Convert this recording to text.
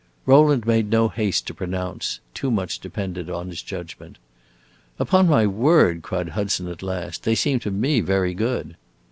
Rowland made no haste to pronounce; too much depended on his judgment. "Upon my word," cried Hudson at last, "they seem to me very good."